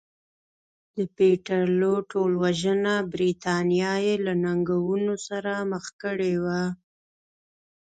د پیټرلو ټولوژنه برېټانیا یې له ننګونو سره مخ کړې وه.